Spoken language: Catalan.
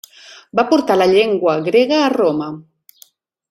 Va portar la llengua grega a Roma.